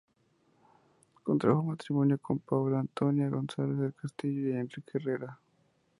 Contrajo matrimonio con Paula Antonia Gómez del Castillo Enríquez y Herrera.